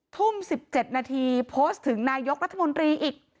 ทุ่ม๑๗นาทีโพสต์ถึงนายกรัฐมนตรีอีก